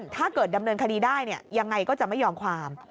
ถ้าเกิดดำเนินคดีได้ยังไงก็จะไม่ยอมความ